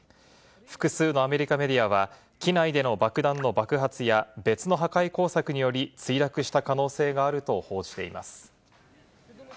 複数のアメリカメディアは、機内での爆弾の爆発や別の破壊工作により墜落した可能性があると報じています。